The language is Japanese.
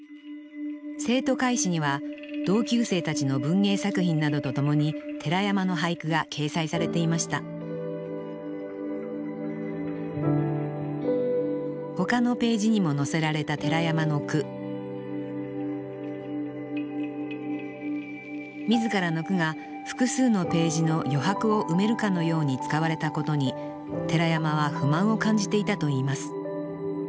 生徒会誌には同級生たちの文芸作品などとともに寺山の俳句が掲載されていましたほかのページにも載せられた寺山の句自らの句が複数のページの余白を埋めるかのように使われたことに寺山は不満を感じていたといいます